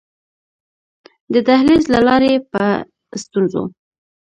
د دهلېز له لارې په ستونزو.